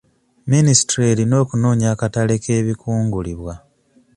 Minisitule erina okunoonya akatale k'ebikungulibwa.